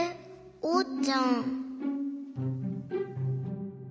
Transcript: おうちゃん。